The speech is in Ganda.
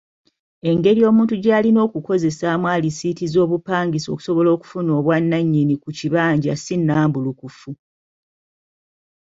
Engeri omuntu gy'alina okukozesaamu alisiiti z’obupangisa okusobola okufuna obwannannyini ku kibanja si nnambulukufu.